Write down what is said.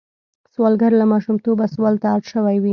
سوالګر له ماشومتوبه سوال ته اړ شوی وي